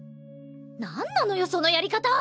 なんなのよそのやり方！